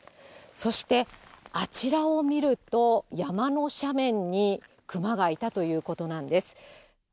そして、あちらを見ると、山の斜面にクマがいたということなんです。